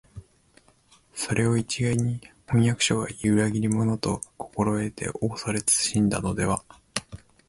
それを一概に「飜訳者は裏切り者」と心得て畏れ謹しんだのでは、